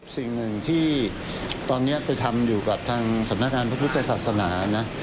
สิ่งหนึ่งที่ตอนนี้ไปทำอยู่กับทางสำนักงานพระพุทธศาสนานะ